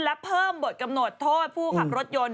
และเพิ่มบทกำหนดโทษผู้ขับรถยนต์